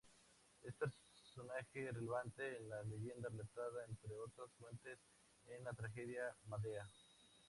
Es personaje relevante en la leyenda relatada, entre otras fuentes, en la tragedia Medea.